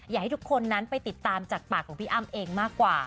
อยากให้ทุกคนนั้นไปติดตามจากปากของพี่อ้ำเองมากกว่า